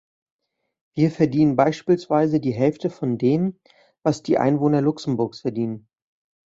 Wir verdienen beispielsweise die Hälfte von dem, was die Einwohner Luxemburgs verdienen.